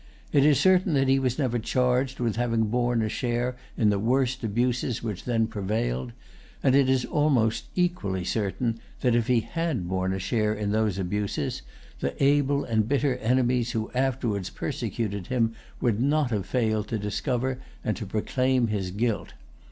It is certain that he was never charged with having borne a share in the worst abuses which then prevailed; and it is almost equally certain that, if he had borne a share in those abuses, the able and bitter enemies who afterwards persecuted him would not have failed to discover and to proclaim his guilt.